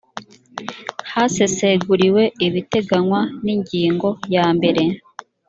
haseseguriwe ibiteganywa n ingingo ya mbere